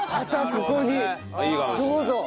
ここにどうぞ。